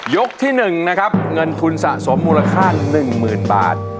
ที่๑นะครับเงินทุนสะสมมูลค่า๑๐๐๐บาท